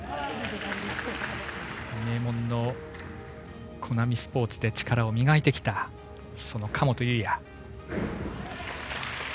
名門のコナミスポーツで力を磨いてきたその神本雄也。